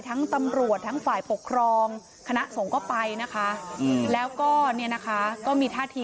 คุณผู้ชมรักกรมโมอายุห้าสิบเก้าปี